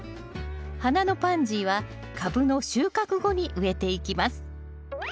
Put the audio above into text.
花のパンジーはカブの収穫後に植えていきます。